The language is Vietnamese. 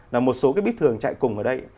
là một số cái bích thường chạy cùng ở đây